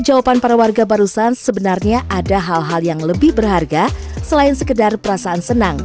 jawaban para warga barusan sebenarnya ada hal hal yang lebih berharga selain sekedar perasaan senang